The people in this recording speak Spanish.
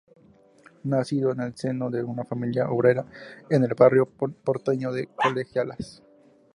Nacido en el seno de una familia obrera en el barrio porteño de Colegiales.